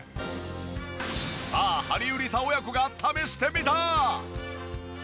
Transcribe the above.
さあハリウリサ親子が試してみた。